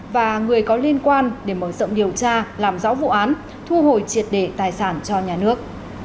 và người có liên quan để mở rộng điều tra làm rõ vụ án thu hồi triệt đề tài sản cho nhà nước